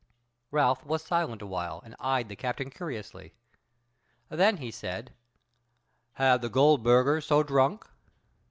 Ralph was silent a while and eyed the captain curiously: then he said: "Have the Goldburgers so drunk?"